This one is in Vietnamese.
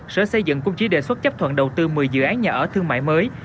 sở xây dựng cũng chỉ đề xuất chấp thuận đầu tư một mươi dự án nhà ở thương mại mới